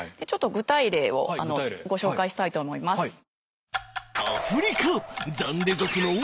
ちょっと具体例をご紹介したいと思います。